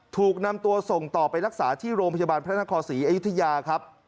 ถูกนำตัวส่งต่อไปรักษาที่โรงพยาบาลพระนครศรีอยุธยาครับ